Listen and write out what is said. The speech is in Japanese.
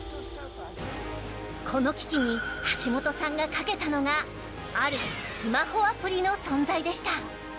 この危機に橋本さんがかけたのがあるスマホアプリの存在でした。